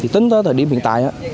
tính tới thời điểm hiện tại